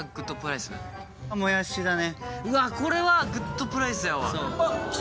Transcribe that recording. これはグッドプライスやわ。